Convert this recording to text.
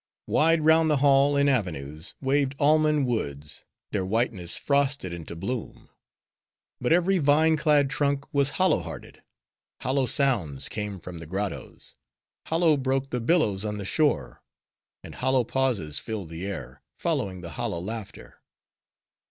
Wide round the hall, in avenues, waved almond woods; their whiteness frosted into bloom. But every vine clad trunk was hollow hearted; hollow sounds came from the grottos: hollow broke the billows on the shore: and hollow pauses filled the air, following the hollow laughter.